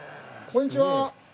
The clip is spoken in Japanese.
こんにちは。